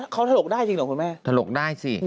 เขาถลกได้จริงเหรอคุณแม่ถลกได้สิ